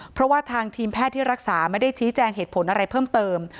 เพราะว่าทางทีมแพทย์ที่รักษาไม่ได้ชี้แจงเหตุผลอะไรเพิ่มเติม